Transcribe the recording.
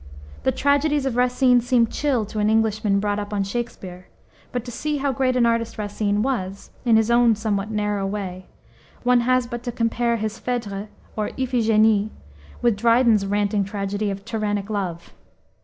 The tragedies of Racine seem chill to an Englishman brought up on Shakspere, but to see how great an artist Racine was, in his own somewhat narrow way, one has but to compare his Phedre, or Iphigenie, with Dryden's ranting tragedy of Tyrannic Love.